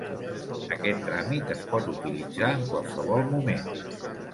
Aquest tràmit es pot utilitzar en qualsevol moment.